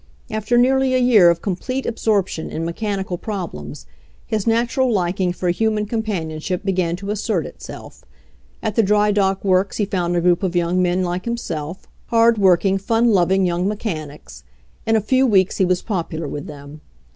After nearly a year of complete absorption in mechanical prob lems, his natural liking for human companion ship began to assert itself. At the drydock works he found a group of young men like himself, hard working, fun loving young mechanics. In a few weeks he was popular with them.